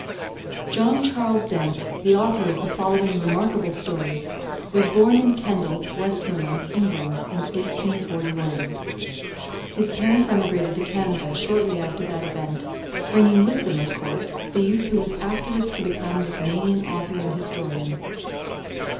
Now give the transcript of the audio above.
John Charles Dent, the author of the following remarkable stories, was born in Kendal, Westmorland, England, in 1841. His parents emigrated to Canada shortly after that event, bringing with them, of course, the youth who was afterwards to become the Canadian author and historian.